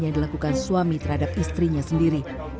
yang dilakukan suami terhadap istrinya sendiri